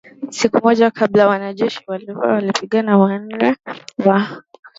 Siku moja kabla wanajeshi waliwaua wapiganaji wnane wa